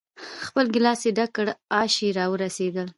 خپل ګیلاس یې ډک کړ، آش هم را ورسېدل.